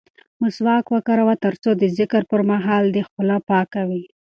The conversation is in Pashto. مسواک وکاروه ترڅو د ذکر پر مهال دې خوله پاکه وي.